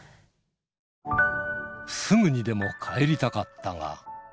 すぐにでも帰りたかったが。